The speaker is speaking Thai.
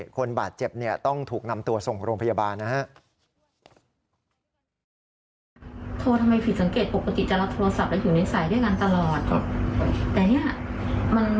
คนบาดเจ็บเนี่ยต้องถูกนำตัวส่งโรงพยาบาลนะฮะ